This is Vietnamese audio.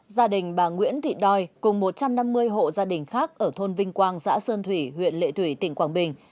gia đình bà nguyễn thị đoi cùng một trăm năm mươi hộ gia đình khác ở thôn vinh quang xã sơn thủy huyện lệ thủy tỉnh quảng bình